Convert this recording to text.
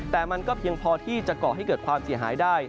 แต่มันก็เพียงพอที่จะก่อให้เกิดความเสียหายได้